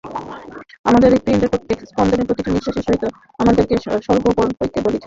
আমাদের হৃৎপিণ্ডের প্রত্যেক স্পন্দন প্রতি নিঃশ্বাসের সহিত আমাদিগকে স্বার্থপর হইতে বলিতেছে।